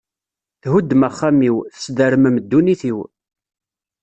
Thuddem axxam-iw, tesdermem ddunit-iw.